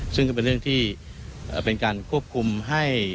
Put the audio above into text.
ซึ่งก็เป็นเรื่องที่เป็นการควบคุมให้